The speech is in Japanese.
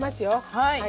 はい。